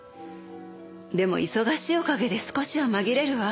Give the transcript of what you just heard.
でも忙しいおかげで少しは紛れるわ。